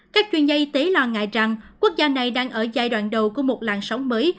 các chuyên gia y tế lo ngại rằng quốc gia này đang ở giai đoạn đầu của một làn sóng mới